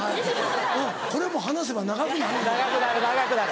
うんこれも話せば長くなる。